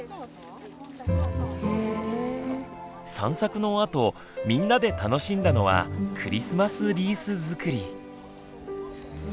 散策のあとみんなで楽しんだのはクリスマスリースづくり。